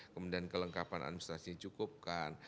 kemudian kelengkapan administrasi cukupkan